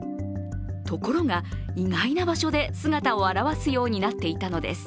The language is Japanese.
ところが、意外な場所で姿を現すようになっていたのです。